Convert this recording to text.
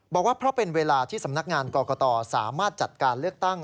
บอกว่าเพราะเป็นเวลาที่สำนักงานกรกตสามารถจัดการเลือกตั้ง